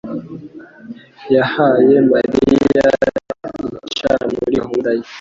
yahaye Mariya incamake muri gahunda ye.